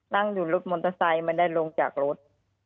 นั่งอยู่รถมอเตอร์ไซค์ไม่ได้ลงจากรถ